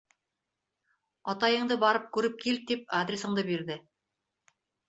Атайыңды барып күреп кил, тип адресыңды бирҙе.